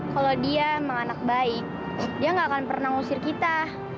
kalau dia memang anak baik dia gak akan pernah ngusir kita